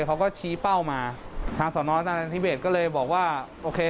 เขาก็ชี้เป้ามาทางสอนอบังเขียนก็เลยบอกว่าโอเค